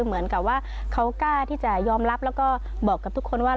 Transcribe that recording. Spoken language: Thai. เหมือนกะว่าเขากล้ายอมรับและบอกทุกคนว่า